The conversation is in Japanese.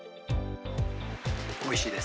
おいしいです。